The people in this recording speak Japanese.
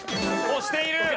押している！